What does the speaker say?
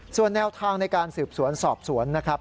ส่วนแนวทางในการสืบสวนสอบสวนนะครับ